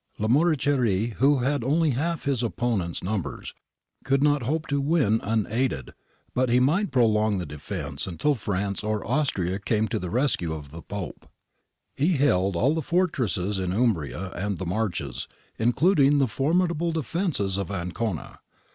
Lamoriciere, who had only half his opponent's numbers, could not hope to win unaided, but he might prolong the defence until France or Austria came to the rescue of the Pope. He held all the fortresses in Umbria and the Marches, including the formidable defences of Ancona.